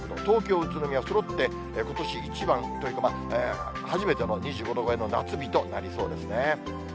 東京、宇都宮、そろってことし一番というか、初めての２５度超えの夏日となりそうですね。